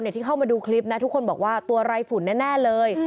ที่เข้ามาดูคลิปนะทุกคนบอกว่าตัวไรฝุ่นแน่เลย